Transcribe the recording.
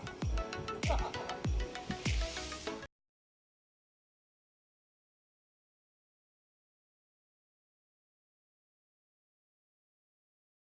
jangan lupa like subscribe dan share ya